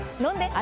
あ